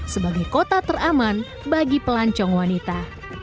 sebagai kota teraman bagi pelancong wanita